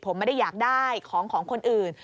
ผมไม่ได้อยากได้ของของคนอื่น